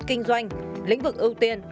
kinh doanh lĩnh vực ưu tiên